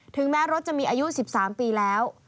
แม้รถจะมีอายุ๑๓ปีแล้ว